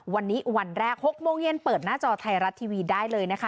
วันนี้วันแรก๖โมงเย็นเปิดหน้าจอไทยรัฐทีวีได้เลยนะคะ